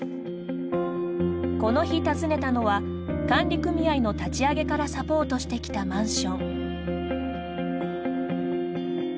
この日、訪ねたのは管理組合の立ち上げからサポートしてきたマンション。